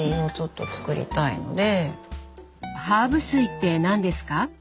ハーブ水って何ですか？